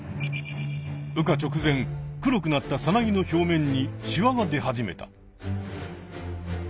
羽化直前黒くなったさなぎの表面にシワが出始めた。